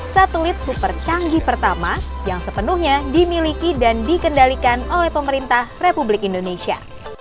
satelit super canggih pertama yang sepenuhnya dimiliki dan dikendalikan oleh pemerintah republik indonesia